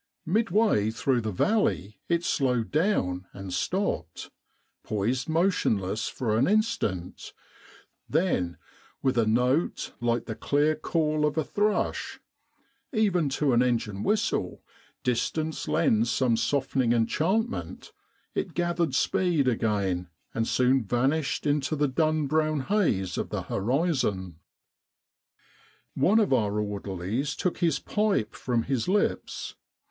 Midway through the valley it slowed down and stopped ; poised motionless for an instant; then, with a note like the clear call of a thrush even to an engine whistle distance lends some softening enchantment it gathered speed again, and soon vanished into the dun brown haze of the horizon. One of our orderlies took his pipe from his lips.